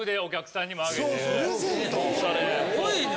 ・すごいね。